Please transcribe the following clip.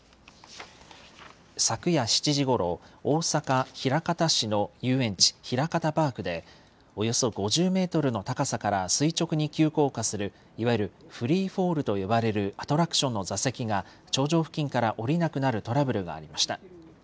昨夜７時ごろ、大阪・枚方市の遊園地、ひらかたパークで、およそ５０メートルの高さから垂直に急降下する、いわゆるフリーフォールと呼ばれるアトラクションの座席が頂上付近から降りなくなるトラブルがありました。